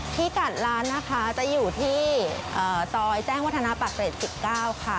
ที่กัดร้านนะคะจะอยู่ที่ซอยแจ้งวัฒนาปากเกร็ด๑๙ค่ะ